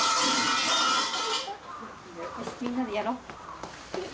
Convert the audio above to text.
みんなでやろう。